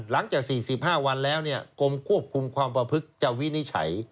หลังจาก๔๕วันแล้วกรมควบคุมความประพฤกษ์จะวินิจฉัย